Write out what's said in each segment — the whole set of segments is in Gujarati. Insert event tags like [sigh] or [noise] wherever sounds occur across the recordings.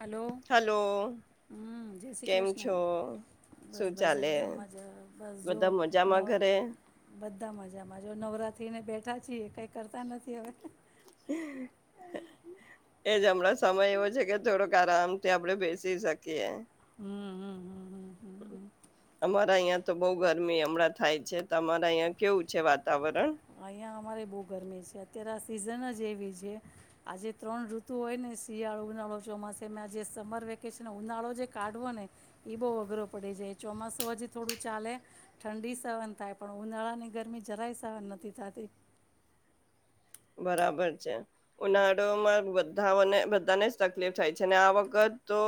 હલો હલો હા જય શ્રી કેમ કૃષ્ણ છો બસ શું બસ એકદમ ચાલે મજા બસ જો બધા મજામાં નવ ઘરે બધા મજામા જો નવરાત્રીને બેઠા છીએ કઈ કરતા નથી હવે. એજ હમણાં સમય એવો છે કે થોડોક આરામથી આપડે બેસી શકીએ. હમ્મ હમ્મ. અમારા અહિયાં તો બહુ ગરમી હમણાં થાય છે. તમારા અહીંયા કેવું છે વાતાવરણ અહીંયા અમારે બહુ ગરમી છે. અત્યારે સિઝન જ એવી છે આજે ત્રણ ઋતુ હોય ને શિયાળો, ઉનાળો, ચોમાસ એમાં આ જે સમર વેકેશન ઉનાળો જે કાઢવો ને એ બહુ અઘરો પડી જાય ચોમાસું હજી થોડું ચાલે ઠંડી સહન થાય પણ ઉનાળાની ગરમી જરાય સહન નથ. થતી બરાબર છે ઉનાળોમાં બધાઓને બધાને જ તકલીફ થાય છે અને આ વખત તો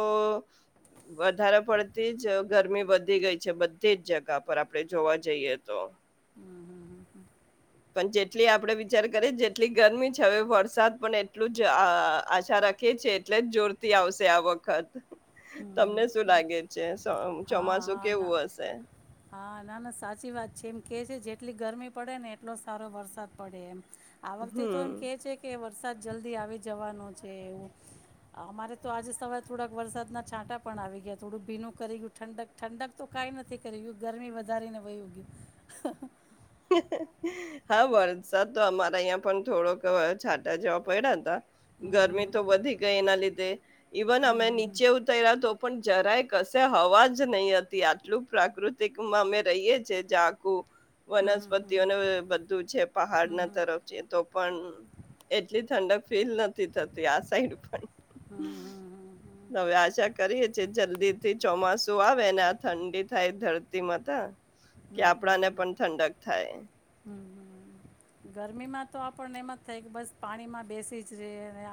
વધારે પડતી જ ગરમી વધી ગઈ છે બધી જ જગા પર આપડે જોવા જઈએ તો. પણ જેટલી આપડે વિચાર કરીએ જેટલી ગરમી છે હવે વરસાદ પણ એટલું જ અ આશા રાખીએ એટલે જ જોરતી આવશે આ વખત, હમ હમ તમને શું હમ. લાગે છે? સો- હા, ચોમાસું હા, ના, કેવું હશે હા, ના ના સાચી વાત છે. એમ કે છે જેટલી ગરમી પડે ને એટલો સારો વરસાદ પડે એમ. આ વખતે તો એમ હમ કે છે કે વર સાદ જલ્દી આવી જવાનો છે એવું અમારે તો આજે સવારે થોડાક વરસાદના છાંટા પણ આવી ગયા થોડુંક ભીનું કરી ગયું. ઠંડક ઠંડક તો કઈ નથી કરી ગરમી વધારી ને વયુ ગયું. હા વરસાદ તો અમારા અહિયા પણ થોડોક છાંટા જેવા પડ્યા હતા. ગરમી તો વધી ગઈ એના લીધે ઈવન અમે નિચે ઉતઈરા તો પણ જરાય કશે હવા જ નહી હતી આટલું પ્રાકૃતિકમાં અમે રહીએ છીએ જયાં આખું વનસ્પતિઓને અહ બધું છે, પહાડ ના તરફ છે તો પણ એટલી ઠંડક ફીલ નથી થતી આ સાઈડ. હવે આશા કરીએ કે જલ્દી થી ચોમાસું આવે ને આ ઠંડી થાય ધરતીમાતા કે હમ આપડાને પણ ઠંડક થાય. હમ હમ ગરમીમાં તો આપણને એમ જ થાય કે બસ પાણીમાં બેસી જ રે ને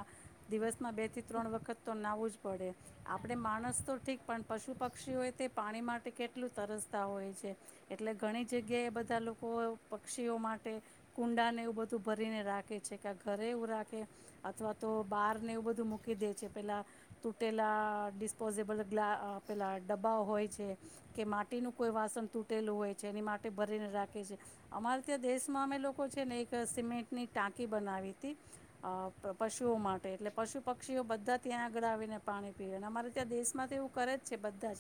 દિવસમાં બે થી ત્રણ વખત તો નાવું જ પડે. આપણે માણસ તો ઠીક પણ પશુ પક્ષીઓએ તે પાણી માટે કેટલું તરસતા હોય છે, એટલે ઘણી જગ્યાએ બધા લોકો પક્ષીઓ માટે કુંડાને એવું બધું ભરીને રાખે છે, કે ઘરે એવું રાખે અથવા તો બહારને એવું બધું મૂકી દે છે, પેલાં તૂટેલા ડિસ્પોઝિબલ એટલા અહ પેલાં ડબ્બાઓ હોય છે કે માટીનું કોઈ વાસણ તૂટેલું હોય છે, એને માટે ભરીને રાખે છે. અમારે ત્યાં દેશમાં અમે લોક કો છે ને એક સિમેન્ટની ટાંકી બનાવી હતી અહ પશુઓ માટે, એટલે પશુ-પક્ષીઓ બધા ત્યાં આગળ આવીને પાણી પીવે. અમારે ત્યાં દેશમાં તો એવું કરે જ છે બધા જ,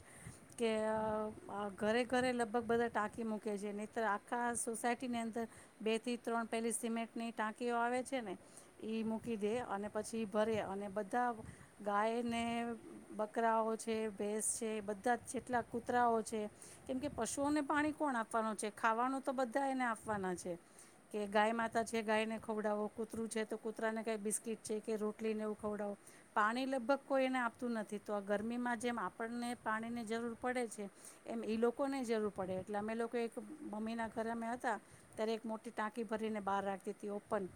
કે અહ અહ ઘરે ઘરે લગભગ બધા ટાંકી મૂકે છે, નહીતર આખા સોસાયટીની અંદર બે થી ત્રણ પહેલી સિમેન્ટની ટાંકીઓ આવે છે ને ઈ મૂકી દે અને પછી એ ભરે અને બધા ગાયને બકરાઓ છે, ભેંસ છે, એ બધા જેટલા કૂતરાઓ છે, કેમ કે પશુઓને પાણી કોણ આપવાનું છે, ખાવાનું તો બધાય એને આપવાના છે. કે ગાય માતા છે ગાયને ખવડાવો, કૂતરું છે તો કૂતરાને કાઈ બિસ્કીટ છે કે રોટલીને એવું ખવડાવો, પાણી લગભગ કોઈ એને આપતું નથી તો આ ગરમીમાં જેમ આપણને પાણી ની જરૂર પડે છે એમ ઈ લોકોનેય જરૂર પડે, એટલે અમે લોકો એક મમ્મીના ઘરે અમે હતા ત્યારે એક મો ટાંકી ભરીને બહાર રાખતી હતી ઓપન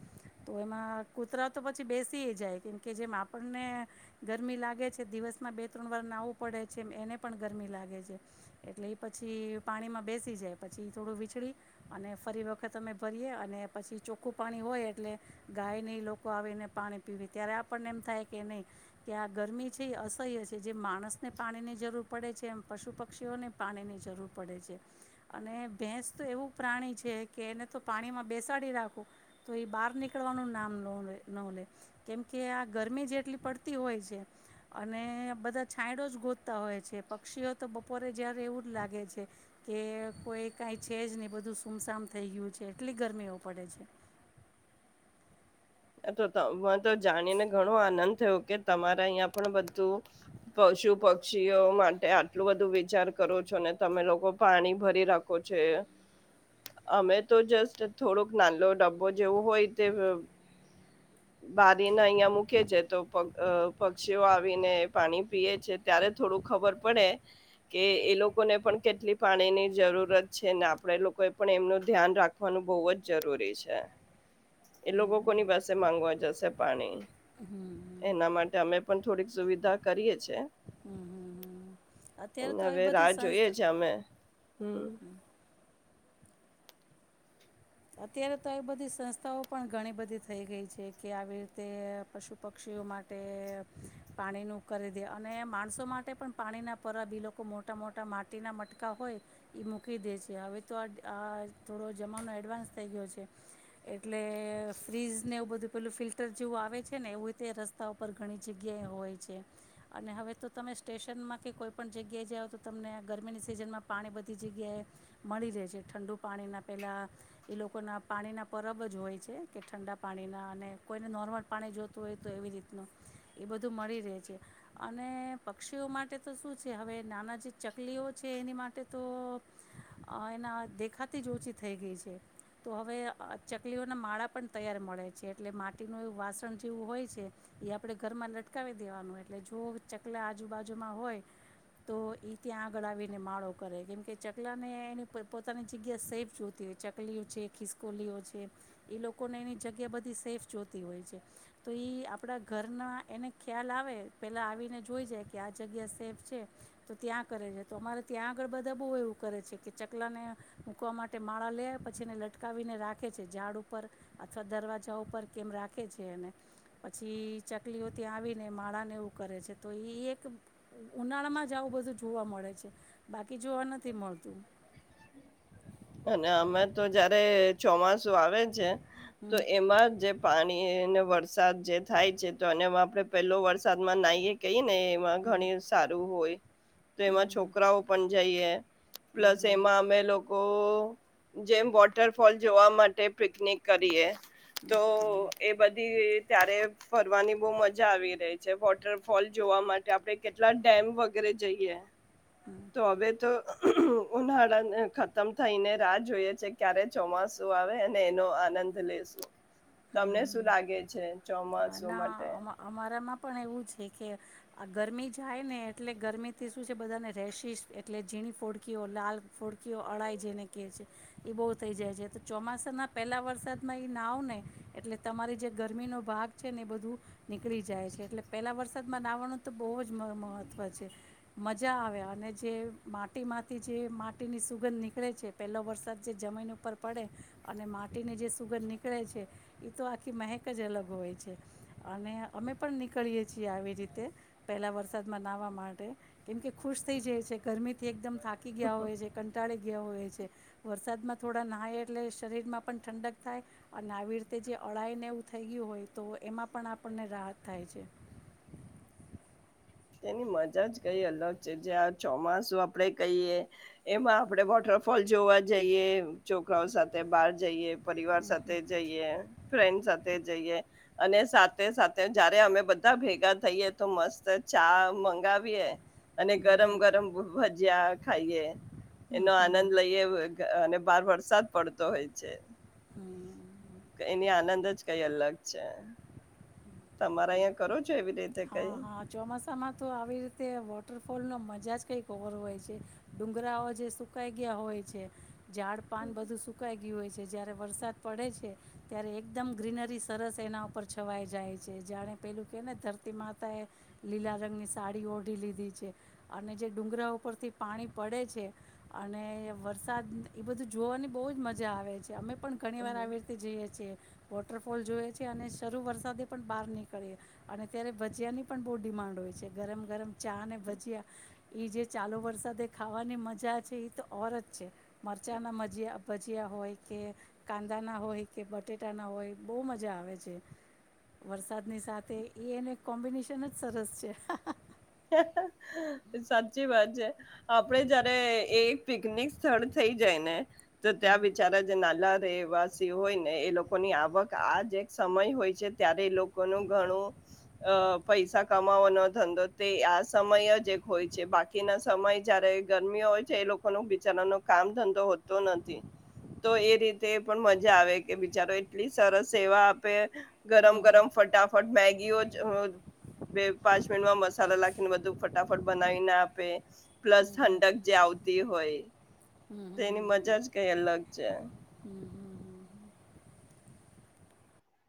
તો એમાં કૂતરા તો પછી બેસી એય જાય કેમકે જેમ આપણને ગરમી લાગે છે દિવસમાં બે ત્રણ વાર નહાવું પડે છે એમ એને પણ ગરમી લાગે છે, એટલે ઈ પછી પાણીમાં બેસી જાય પછી ઈ થોડું વીછળી અને ફરી વખત ત અમે ભરીએ અને પછી ચોખ્ખું પાણી હોય એટલે ગાય ને ઈ લોકો આવીને પાણી પીવે ત્યારે આપણને એમ થાય કે નહીં કે આ ગરમી છે એ અસહ્ય છે, જેમ માણસને પાણીની જરૂર પડે છે એમ પશુ પક્ષીઓને પાણીની જરૂર પડે છે, અને ભેંસ તો એવું પ્રાણી છે કે એને તો પાણીમાં બેસાડી રાખું તો એ બહાર નીકળવાનું નામ નો લે ન લે, કેમકે આ ગરમી જ એટલી પડતી હોય છે અને બધા છાંયડો જ ગોતતા હોય છે પક્ષીનો તો બપોરે જ્યારે એવું જ લાગે છે કે કોઈ કાંઈ છે જ નહીં બધું સુમસામ થઈ ગયું છે એટલી ગરમીઓ પડે છે. આતો તમે તો જાણીને ઘણો આનંદ થયો કે તમારા અહિયાં પણ બધું પશુ પક્ષીઓ માટે આટલું બધું વિચાર કરો છો ને તમે લોકો પાણી ભરી રાખો છો એ, અમે તો જસ્ટ થોડોક નાનલો ડબ્બો જેવું હોય તે બારીને અહિયાં મૂકીએ છે તો પ અહ પક્ષીઓ આવીને પાણી પીએ છે ત્યારે થોડું ખબર પડે કે એ લોકોને પણ કેટલી પાણીની જરૂરત છે ને આપડે એ લોકો એ પણ એમનું ધ્યાન રાખવાનું બહુ જ જરૂરી છે. એ લોકો કોની પાસે માંગવા જશે પાણી. એના માટે અમે પણ થોડીક સુવિધા કરીએ છે. હમ હમ હમ અત્યારે અને તો હવે આવી રાહ બધી જોઈએ સંસ્થા છે અમે હમ અત્યારે તો આવી બધી સંસ્થાઓ પણ ઘણી બધી થઈ ગઈ છે કે આવી રીતે પશુ પક્ષીઓ માટે પાણીનું કરી દે અને માણસો માટે પણ પાણીના પરાબ એ લોકો મોટા મોટા માટીના મટકા હોય એ મૂકી દે છે, હવે તો અહ થોડો જમાનો એડવાન્સ થઈ ગયો છે, એટલે ફ્રીઝને એવું બધું પેલું ફિલ્ટર જેવું આવે છે ને એવું તે રસ્તા ઉપર ઘણી જગ્યાએ હોય છે, અને હવે તો તમે સ્ટેશનમાં કે કોઈ પણ જગ્યાએ જાઓ તો તમને ગરમીની સિઝનમાં પાણી બધી જગ્યાએ મળી રહે છે ઠંડુ પાણીના પહેલાં ઈ લોકોના પાણીના પરબ જ હોય છે કે ઠંડા પાણીના ને કોઈને નોર્મલ પાણી જોતું હોય તો એવી રીતનું, એ બધું મળી રહે છે, અને પક્ષીઓ માટે તો શું છે હવે નાના જે ચકલીઓ છે એની માટે તો અહ એના દેખાતી જ ઓછી થઈ ગઈ છે. તો હવે ચકલીઓના માળા પણ તૈયાર મળે છે એટલે માટીનું એવું વાસણ જેવું હોય છે એ આપણે ઘરમાં લટકાવી દેવાનું એટલે જો ચકલા આજુબાજુમાં હોય તો એ ત્યાં આગળ આવીને માળો કરે કેમકે ચકલાને એની પોતાની જગ્યા સેફ જોતી હોય ચક ચકલીઓ છે ખિસકોલીઓ છે એ લોકોને એની જગ્યા બધી સેફ જોતી હોય છે તો એ આપણા ઘરના એને ખ્યાલ આવે પહેલાં આવીને જોઈ જાય કે આ જગ્યા સેફ છે તો ત્યાં કરે છે તો અમારે ત્યાં આગળ બધા બહુ એવું કરે છે કે ચકલાને મૂકવા માટે માળા લે પછી એને લટકાવીને રાખે છે ઝાડ ઉપર અથવા દરવાજા ઉપર કેમ રાખે છે એને પછી ચકલીઓ ત્યાં આવીને માળાને એવું કરે છે તો એ એક ઉનાળામાં જ આવું બધું જોવા મળે છે બાકી કે જોવા નથી મળતું. અને અમે તો જયારે ચોમાસું આવે છે. તો હમ એમાં જે પાણી એને વળ- સાદ જે થાય છે. તો અને એમાં આપડે પેલો વરસાદમાં નાહીએ કહી ને એમાં હમ ઘણી સારું હોય. તો એમાં હમ છોકરાઓ પન જઈએ પ્લસ હમ એમાં અમે લોક કો જેમ વોટરફોલ જોવા માટે પિકનિક કરીએ. તો એ બધી ત્યારે ફરવાની બોવ મજા આવી રય છે. વોટરફોલ જોવા માટે આપડે કેટલા ડેમ વગેરે જઈએ. તો હવે તો ઉનાળાને ખતમ થઈને રાહ જોયે છે. ક્યારે ચોમાસું આવે અને એનો આનંદ લેેશું. તમને શું હમ લાગે છે હા ચોમાસું ના માટે? અમા અમારામાં પણ એવું છે કે, આ ગરમી જાય ને એટલે ગરમીથી શું છે બધાને રેશિશ એટલે ઝીણી ફોડકીઓ લાલ ફોડકીઓ અળાઈ જેને ક્યે છે. ઈ બોવ થઈ જાય છે. તો ચોમાસાના પેલા વરસાદમાં ઈ નાવ ને એટલે તમારી જે ગરમીનો ભાગ છે ને, એ બધું નીકળી જાય છે. એટલે પેલા વરસાદમાં નાવાનું તો બોવ જ મ મહત્ત્વ છે. મજા આવે અને જે માટીમાંથી જે માટીની સુગંધ નીકળે છે. પેલો વરસાદ જે જમીન ઉપર પડે અને માટીની જે સુગંધ નીકળે છે ઈ તો આખી મહેક જ અલગ હોય છે. અને અમે પણ નીકળીએ છીએ આવી રીતે પહેલાં વરસાદમાં નાહવા માટે. કેમકે ખુશ થઈ જાય છે. ગરમીથી એકદમ થાકી ગ્યા હોય છે. કંટાળી ગ્યા હોયે છે. વરસાદમાં થોડા નાહાય એટલે શરીરમાં પણ ઠંડક થાય અન આવી ર તે જે અળાઈને એવું થઈ ગ્યું હોય, તો એમાં પણ આપણને રાહત થાય છે. તેની મજા જ કઈ અલગ છે. જે આ ચોમાસું આપડે કહીયે, એમાં આપડે વોટરફોલ જોવા જઈએ, છોકરાઓ સાથે બાર જઈએ. પરિવાર સાથે જઈએ. ફ્રેન્ડ સાથે જઈએ અને સાથે સાથે જયારે અમે બધા ભેગા થઈએ તો મસ્ત ચા મંગાવીએ. અને ગરમ ગરમ ભ ભજીયા ખાઈએ. હમ એનો હમ આનંદ લઈએ અ ગ અને બાર વરસાદ પડતો હોય છે. હમ એની આનંદ જ કઈ અલગ છે. તમારા અહિયા કરો? છો એવી રીતે હા, કઈ હા, ચોમાસામાં તો આવી રીતે વો ટરફોલ મજા જ કંઈક ઓર હોય છે. ડુંગરાઓ જે સુકાઈ ગયા હોય છે ઝાડ પાન બધું સુકાય ગ્યું હોય છે. જ્યારે વરસાદ પડે છે, ત્યારે એકદમ ગ્રીનરી સરસ એના ઉપર છવાઈ જાય છે. જાણે પેલું ક્યે ને ધર તી માતાએ લીલા રંગની સાડી ઓઢી લીધી છે. અને જે ડુંગરા ઉપરથી પાણી પડે છે અને વરસાદ ઈ બધું જોવાની બોવ જ મજા આવે છે. અમે પણ ઘણી વાર હમ આવી રીતે જઈએ છીએ. વોટરફોલ જોઈએ છે અને શરૂ વરસાદે પણ બહાર નીકળીએ અને ત્યારે ભજીયાની પણ બહુ ડિમાન્ડ હોય છે ગરમ ગરમ ચા અને ભજીયા એ જે ચાલુ વરસાદે ખાવાની મજા છે એ તો ઓર જ છે મરચાંના મજીયા ભજીયા હોય કે કાંદાના હોય કે બટેટાના હોય બહુ મજા આવે છે વરસાદની સાથે એને કોમ્બિનેશન જ સરસ છે. હા હા. [unintelligible] સાચી વાત છે આપડે જયારે એ પિકનિક સ્થળ થઈ જાય ને. તો ત્યાં વિચારે જે નાલા રહેવાસી હોય ને એ લોકોની આવક આજ એક સમય હોય છે ત્યારે એ લોકોનું ઘણું અ પૈસા કમાવો ન ધંધો તે આ સમય જ એક હોય છે બાકીના સમય જયારે ગરમી હોય છે એ લોકો ન બિચારાનો કામ ધંધો હોતો નથી તો એ રીતે પણ મજા આવે કે બિચારો એટલી સરસ સેવા આપે. ગરમ ગરમ ફટાફટ મેગી બે પાંચ મિનિટમાં મસ ચાલો લખીને બધું ફટાફટ બનાવી ના આપે પ્લસ ઠંડક જે આવતી હોય. તો એની મજા જ કઈ અલગ છે.